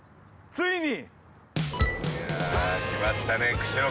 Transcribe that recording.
［ついに］